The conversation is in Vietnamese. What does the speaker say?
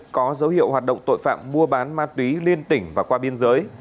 có dấu hiệu hoạt động tội phạm mua bán ma túy liên tỉnh và qua biên giới